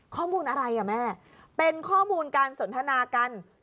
ข้อมูลอะไรอ่ะแม่เป็นข้อมูลการสนทนากัน